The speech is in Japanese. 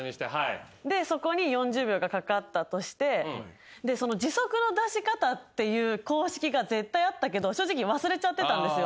でそこに４０秒がかかったとしてで時速の出し方っていう公式が絶対あったけど正直忘れちゃってたんですよ。